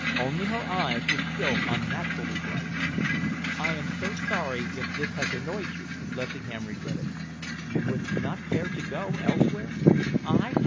Only her eyes were still unnaturally bright. "I am so sorry if this has annoyed you," Lessingham regretted. "You would not care to go elsewhere?" "I?